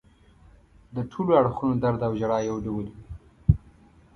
د ټولو اړخونو درد او ژړا یو ډول وي.